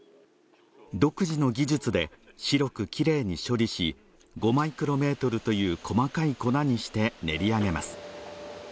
独自の技術で白く綺麗に処理し５マイクロメートルという細かい粉にして練り上げます